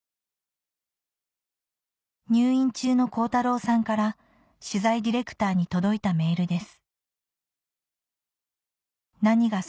入院中の恒太朗さんから取材ディレクターに届いたメールです